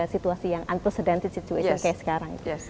situasi yang tidak berhasil seperti sekarang